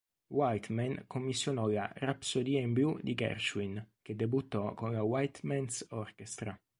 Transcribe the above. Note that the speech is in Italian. Whiteman commissionò la "Rapsodia in blu" di Gershwin, che debuttò con la Whiteman's Orchestra.